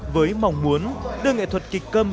với mong muốn đưa nghệ thuật kịch câm